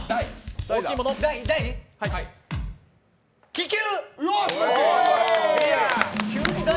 気球。